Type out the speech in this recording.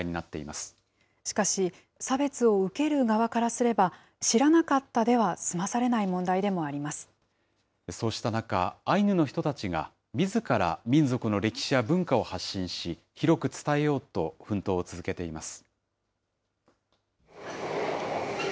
しかし、差別を受ける側からすれば、知らなかったでは済まさそうした中、アイヌの人たちが、みずから民族の歴史や文化を発信し、広く伝えようと奮闘を続けています。